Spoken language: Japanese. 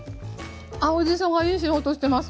青じそがいい仕事してます。